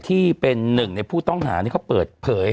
ที่เป็นหนึ่งในผู้ต้องหานี่เขาเปิดเผย